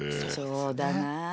そうだな。